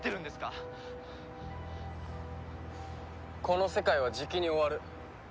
この世界はじきに終わる。